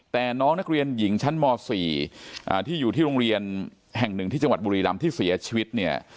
แต่น้องนักเรียนหญิงชั้นม๔ที่อยู่ที่โรงเรียนแห่งหนึ่งที่จังหวัดบุรีรำที่เสียชีวิตเนี่ย